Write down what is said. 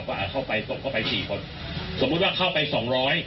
อ่าเข้าไปส่งเข้าไปสี่คนสมมุติว่าเข้าไปสองร้อย